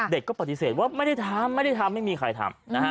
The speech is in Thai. เด็กก็ปฏิเสธว่าไม่ได้ทำไม่ได้ทำไม่มีใครทำนะฮะ